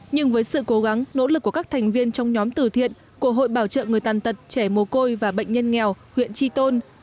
nhưng với sự cố gắng nỗ lực của các thành viên trong nhóm từ thiện của hội bảo trợ người tàn tật trẻ mồ côi và bệnh nhân nghèo huyện tri tôn